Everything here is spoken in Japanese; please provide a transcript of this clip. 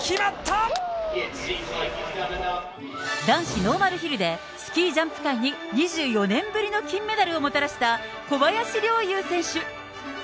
男子ノーマルヒルでスキージャンプ界に２４年ぶりの金メダルをもたらした小林陵侑選手。